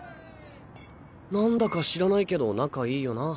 なんだか知らないけど仲いいよな